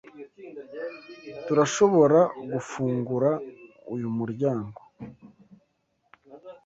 Turashoboragufungura uyu muryango?